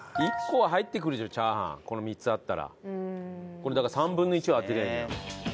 これだから３分の１を当てりゃあいいんだ。